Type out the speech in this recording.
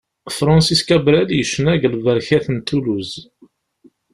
Francis Cabrel yecna deg lberkat n Toulouse.